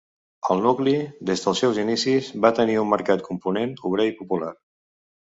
El nucli, des dels seus inicis, va tenir un marcat component obrer i popular.